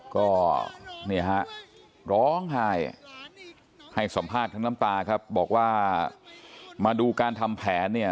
ก็เนี่ยฮะร้องไห้ให้สัมภาษณ์ทั้งน้ำตาครับบอกว่ามาดูการทำแผนเนี่ย